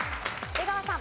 出川さん！